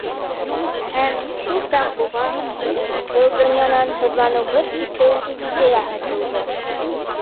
Һәм шул саҡ уға... был донъянан һыҙланыуһыҙ китеү идеяһы тыуҙы.